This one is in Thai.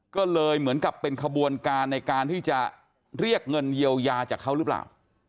ก็เลยเหมือนกับเป็นขบวนการในการที่จะเรียกเงินเยียวยาจากเขาหรือเปล่า